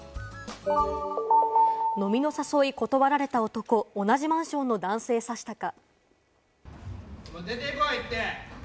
飲みの誘い断られた男、同じマンションの男性刺したか。